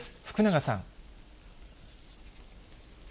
福永さん。